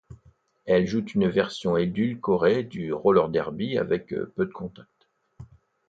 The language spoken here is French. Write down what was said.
Elles jouent une version édulcorée du roller derby avec peu de contacts.